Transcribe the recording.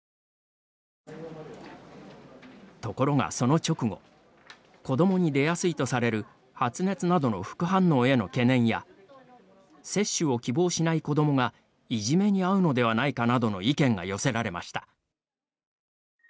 ところが、その直後子どもに出やすいとされる発熱などの副反応への懸念や接種を希望しない子どもがいじめに遭うのではないかなどの意見が寄せられました。